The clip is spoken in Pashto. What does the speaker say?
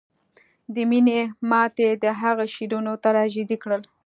د مینې ماتې د هغه شعرونه تراژیدي کړل